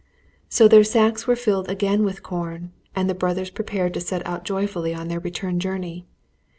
So their sacks were filled again with corn, and the brothers prepared to set out joyfully on their return journey.